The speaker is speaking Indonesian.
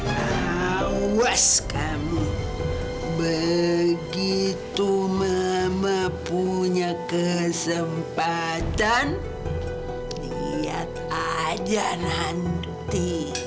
awas kamu begitu mama punya kesempatan lihat aja nanti